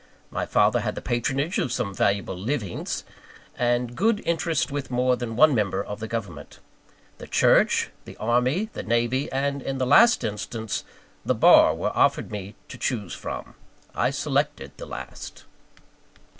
My father had the patronage of some valuable "livings," and good interest with more than one member of the government. The church, the army, the navy, and, in the last instance, the bar, were offered me to choose from. I selected the last.